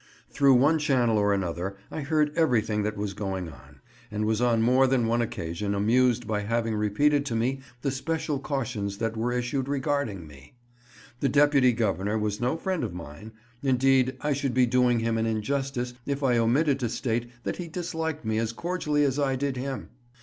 Through one channel or another I heard everything that was going on, and was on more than one occasion amused by having repeated to me the special cautions that were issued regarding me. The Deputy Governor was no friend of mine; indeed I should be doing him an injustice if I omitted to state that he disliked me as cordially as I did him.